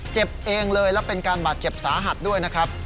เจ็บเองเลยแล้วเป็นการบาดเจ็บสาหัสด้วยนะครับ